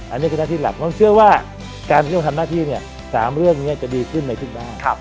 อันนี้คือหน้าที่หลักต้องเชื่อว่าการเรียกว่าทำหน้าที่๓เรื่องนี้จะดีขึ้นในทุกบ้าน